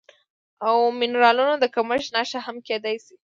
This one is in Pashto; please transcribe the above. او منرالونو د کمښت نښه هم کیدی شي